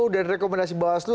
dan rekomendasi bawaslu